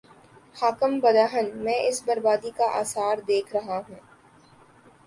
خاکم بدہن، میں اس بر بادی کے آثار دیکھ رہا ہوں۔